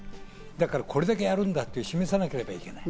だからこれだけやるんだっていうことを示さなければならない。